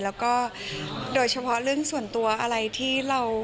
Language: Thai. แล้วก็โดยเฉพาะเรื่องส่วนตัวอะไรที่เรา